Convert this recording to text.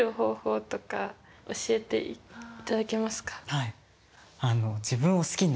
はい。